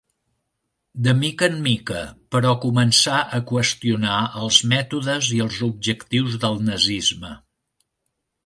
De mica en mica, però començà a qüestionar els mètodes i els objectius del nazisme.